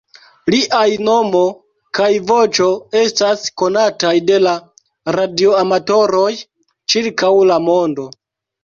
Liaj nomo kaj voĉo estas konataj de la radioamatoroj ĉirkaŭ la mondo.